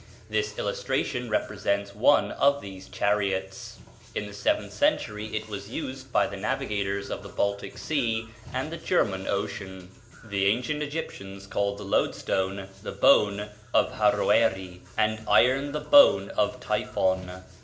This illustration represents one of these chariots: In the seventh century it was used by the navigators of the Baltic Sea and the German Ocean. CHINESE MAGNETIC CAR The ancient Egyptians called the loadstone the bone of Haroeri, and iron the bone of Typhon.